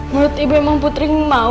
menurut ibu memang putri mau